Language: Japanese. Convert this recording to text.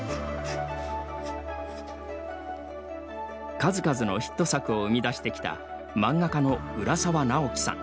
数々のヒット作を生み出してきた漫画家の浦沢直樹さん。